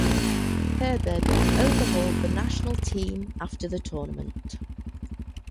Herberger overhauled the national team after the tournament.